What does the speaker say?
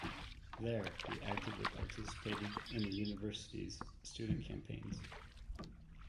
There he actively participated in the University's student campaigns.